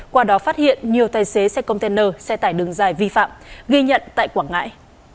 qua đó phát hiện nhiều tài xế xe container xe tải đường dài vi phạm ghi nhận tại quảng ngãi